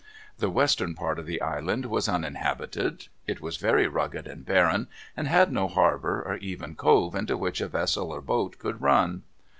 The western part of the island was uninhabited. It was very rugged and barren, and had no harbor or even cove into which a vessel or boat could run.